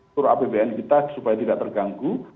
surat bbm kita supaya tidak terganggu